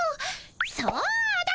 そうだ！